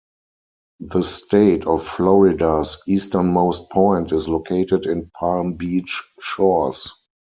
The state of Florida's easternmost point is located in Palm Beach Shores.